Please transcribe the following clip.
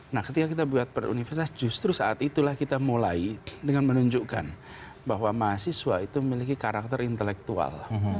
nah ketika kita buat per universitas justru saat itulah kita mulai dengan menunjukkan bahwa mahasiswa itu memiliki karakter intelektual